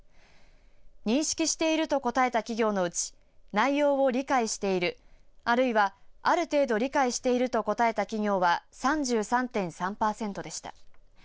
認識していると答えた企業のうち内容を理解しているあるいは、ある程度理解していると答えた企業は３３．３パーセントでした。